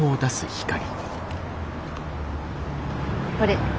これ。